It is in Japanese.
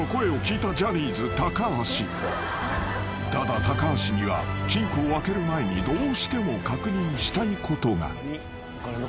［ただ橋には金庫を開ける前にどうしても確認したいことが］